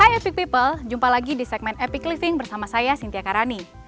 hai epic people jumpa lagi di segmen epic living bersama saya sintia karani